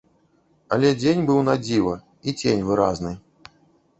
Але дзень быў надзіва, й цень выразны.